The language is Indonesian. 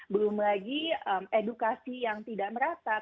belum lagi edukasi yang tidak merata